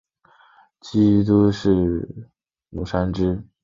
监督是芝山努。